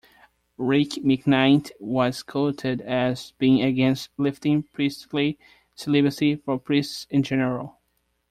Rick McKnight, was quoted as being against lifting priestly celibacy for priests in general.